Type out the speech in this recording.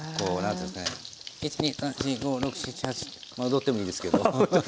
踊ってもいいですけど。